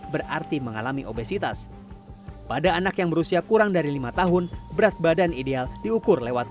berarti mengalami obesitas pada anak yang berusia kurang dari lima tahun berat badan ideal diukur lewat